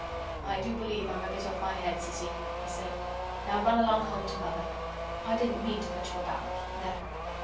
"I do believe I'm a bit off my head, Sissy," he said. "Now run along home to Mother. I didn't mean to put you about there."